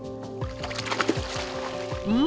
うん？